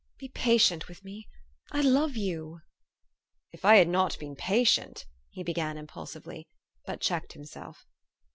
Be patient with me ! I love you !"" If I had not been patient " he began impul sively, but checked himself.